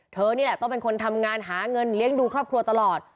นี่แหละต้องเป็นคนทำงานหาเงินเลี้ยงดูครอบครัวตลอด